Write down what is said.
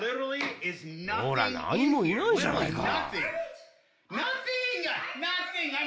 ほら、何もいないじゃないか。